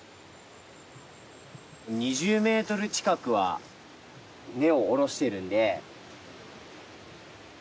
２０メートル近くは根を下ろしてるんで。